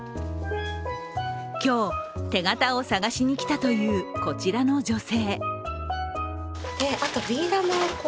今日、手形を探しにきたというこちらの女性。